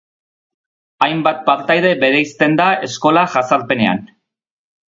Hainbat partaide bereizten da eskola jazarpenean.